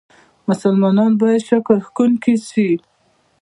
مسلمانان بايد شکرکښونکي سي.